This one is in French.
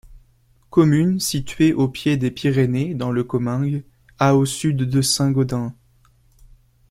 Commune située au pied des Pyrénées dans le Comminges, à au sud de Saint-Gaudens.